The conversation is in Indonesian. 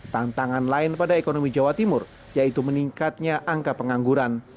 tantangan lain pada ekonomi jawa timur yaitu meningkatnya angka pengangguran